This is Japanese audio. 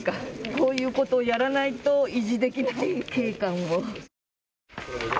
こういうことをやらないと維持できない、景観を。